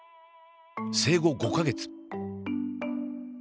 生後５か月。